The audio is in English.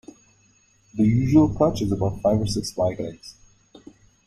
The usual clutch is about five or six white eggs.